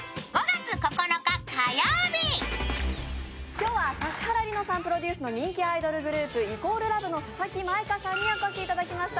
今日は指原莉乃さんプロデュースの人気アイドルグループ、＝ＬＯＶＥの佐々木舞香さんにお越しいただきました。